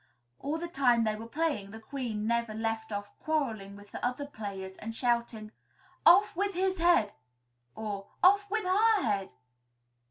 All the time they were playing, the Queen never left off quarreling with the other players and shouting, "Off with his head!" or "Off with her head!"